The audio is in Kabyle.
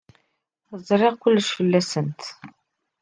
Zṛiɣ kullec fell-asent.